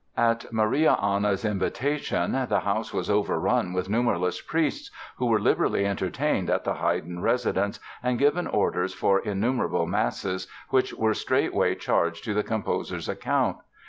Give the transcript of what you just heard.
] At Maria Anna's invitation the house was overrun with numberless priests, who were liberally entertained at the Haydn residence and given orders for innumerable masses, which were straightway charged to the composer's account.